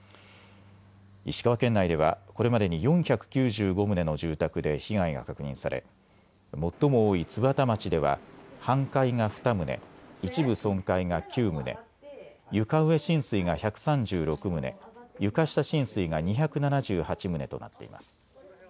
石川県内ではこれまでに４９５棟の住宅で被害が確認され最も多い津幡町では半壊が２棟、一部損壊が９棟、床上浸水が１３６棟、床下浸水が２７８棟となっています。